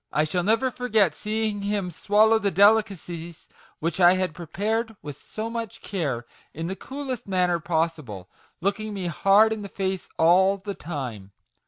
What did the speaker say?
te I shall never forget seeing him swallow the delicacies which I had prepared with so much care, in the coolest manner possible, looking me hard in the face all the time.